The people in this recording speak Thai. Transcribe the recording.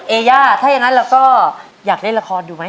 อย่าถ้าอย่างนั้นเราก็อยากเล่นละครอยู่ไหม